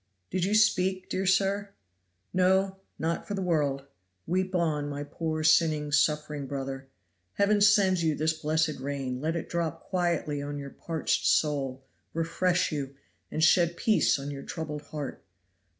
"Did you speak, dear sir?" "No! not for the world! Weep on, my poor sinning, suffering brother. Heaven sends you this blessed rain; let it drop quietly on your parched soul, refresh you, and shed peace on your troubled heart.